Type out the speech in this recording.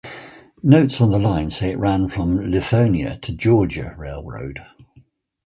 Notes on the line say it ran from Lithonia to Georgia Railroad.